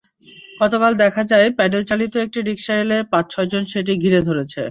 গতকাল দেখা যায়, প্যাডেলচালিত একটি রিকশা এলে পাঁচ-ছয়জন সেটি ঘিরে ধরছে।